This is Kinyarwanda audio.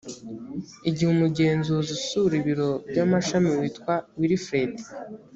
igihe umugenzuzi usura ibiro by amashami witwa wilfred